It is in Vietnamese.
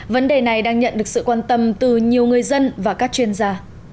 vấn đề này đang nhận được sự quan tâm từ nhiều người dân và các chuyên gia